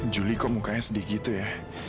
juli kok mukanya sedikit gitu ya